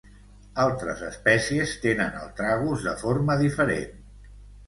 Altres espècies tenen el tragus de forma diferent.